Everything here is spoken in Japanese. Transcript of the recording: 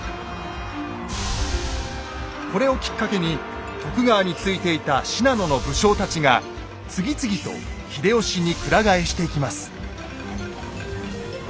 これをきっかけに徳川についていた信濃の武将たちが次々と秀吉に鞍替えしていきます。